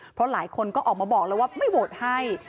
เพราะหลายคนก็ออกมาบอกแล้วว่าไม่โหวตให้